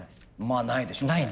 まあないでしょうね。